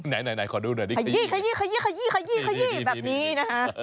ไหนขอดูหน่อยขยี้แบบนี้นะฮะ